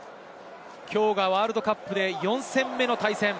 きょうがワールドカップで４戦目の対戦。